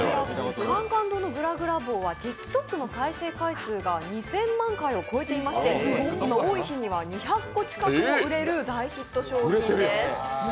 甘々堂のぐらぐら棒はＴｉｋＴｏｋの再生回数が２０００万回を超えていまして、多い日には２００個近くも売れる大ヒット商品です。